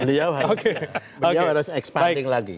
beliau harus expanding lagi